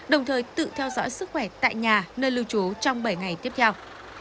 đồng thời tự theo dõi sức khỏe tại nhà nơi lưu trú trong bảy ngày tiếp theo